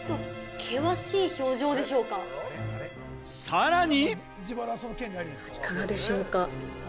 さらに。